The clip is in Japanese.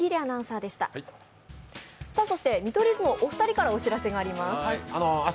見取り図の２人からお知らせがあります。